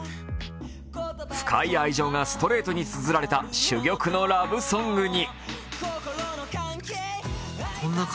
深い愛情がストレートにつづられた珠玉のラブソングに。